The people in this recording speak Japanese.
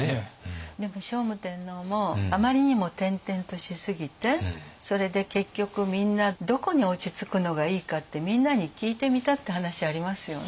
でも聖武天皇もあまりにも転々としすぎてそれで結局みんなどこに落ち着くのがいいかってみんなに聞いてみたって話ありますよね。